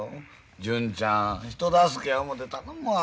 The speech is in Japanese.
純ちゃん人助けや思て頼むわ。